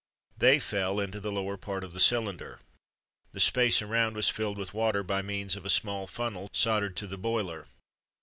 They fell into the lower part of the cylinder. The space around was filled with water by means of a small funnel soldered to the boiler.